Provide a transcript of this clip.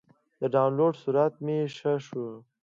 د ډاونلوډ سرعت مې ښه شو.